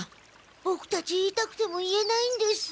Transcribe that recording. ボクたち言いたくても言えないんです。